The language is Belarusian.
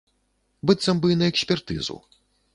Быццам бы на экспертызу.